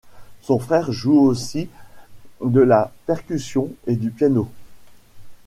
Son frère joue aussi de la percussion et du piano.